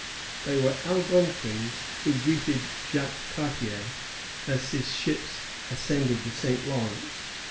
They were Algonquins who greeted Jacques Cartier, as his ships ascended the St. Lawrence.